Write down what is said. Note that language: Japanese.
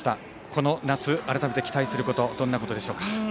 この夏、改めて期待することはどんなことでしょうか？